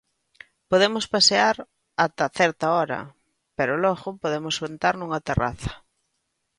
Podemos pasear ata certa hora, pero logo podemos sentar nunha terraza.